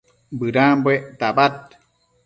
bëdambuec tabad